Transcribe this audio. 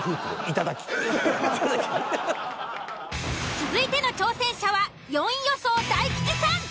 続いての挑戦者は４位予想大吉さん。